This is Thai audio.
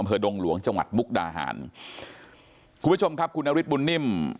ดงหลวงจังหวัดมุกดาหารคุณผู้ชมครับคุณนฤทธบุญนิ่ม